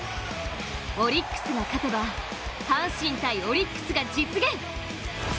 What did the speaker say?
オリックスが勝てば、阪神×オリックスが実現。